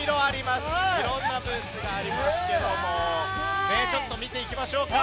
いろんなブースがありますけども見ていきましょうか。